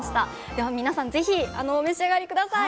では皆さん是非お召し上がり下さい。